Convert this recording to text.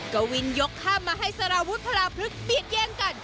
กวินยกข้ามมาให้สารวุฒิพลาพลึกเปียกแย่งกัน